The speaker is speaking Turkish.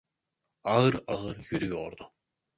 Ağır ağır yürüyordu.